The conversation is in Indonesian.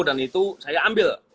dan itu saya ambil